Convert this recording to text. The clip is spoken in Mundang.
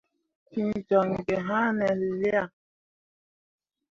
̃Fẽe joŋ gi haane lian ?